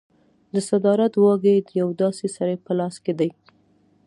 د صدارت واګې د یو داسې سړي په لاس کې دي.